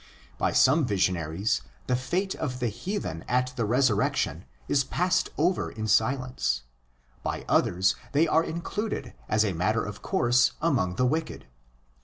By some visionaries the fate of the heathen at the resurrection is passed over in silence; by others they are included as a matter of course among the "wicked."